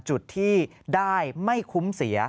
จุดที่ได้ไม่คุ้มเสีย